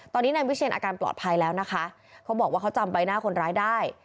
ตอนนี้นายวิเชียนอาการปลอดภัยแล้วนะคะเขาบอกว่าเขาจำใบหน้าคนร้ายได้